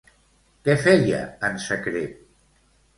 Què feia en secret?